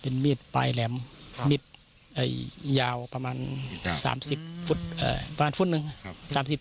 มีดปลายแหลมมีดยาวประมาณ๓๐ฟุตประมาณฟุตหนึ่งครับ